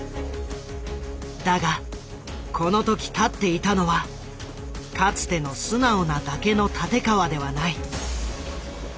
だがこの時立っていたのはかつての素直なだけの立川ではない。